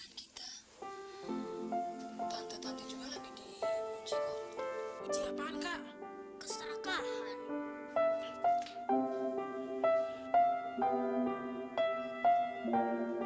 mungkin allah lagi menguji kesabaran kita